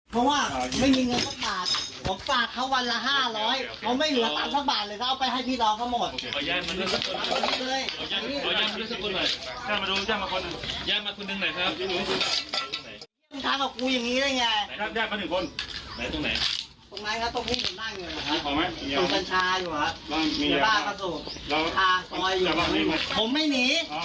ต้องทำมาคุยอย่างนี้หรือยังไง